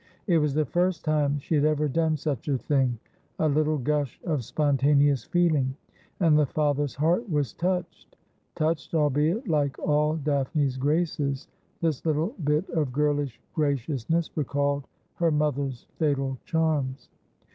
It was the first time she had ever done such a thing : a little gush of spontaneous feeling, and the father's heart was touched — touched, albeit, like all Daphne's graces, this little bit of girlish graciousness recalled her mother's fatal charms.